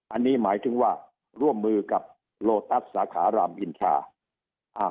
อันนี้หมายถึงว่าร่วมมือกับโลตัสสาขารามอินทรา